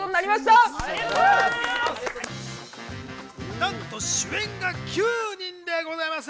なんと主演が９人でございます。